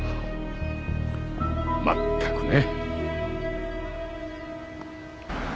まったくね。